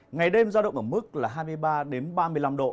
ngày đêm ra động ở mức là hai mươi ba ba mươi năm độ